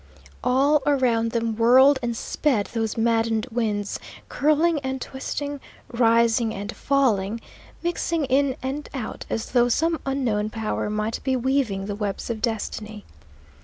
All around them whirled and sped those maddened winds, curling and twisting, rising and falling, mixing in and out as though some unknown power might be weaving the web of destiny.